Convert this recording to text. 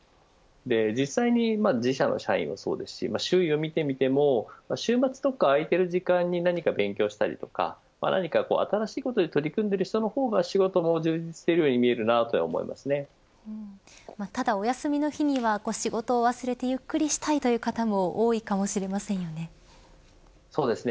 実際に自社の社員もそうですし周囲をみても週末とか空いてる時間に何か勉強したりとか新しいことに取り組んでいる人の方が仕事も充実しているようにただお休みの日には仕事を忘れてゆっくりしたいという方もそうですね。